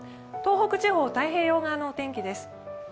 東北地方、太平洋側のお天気です。